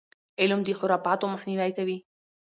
علم د خرافاتو مخنیوی کوي.